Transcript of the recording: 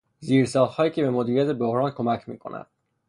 زیرساخت هایی که به مدیریت بحران کمک می کند.